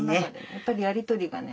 やっぱりやり取りがね。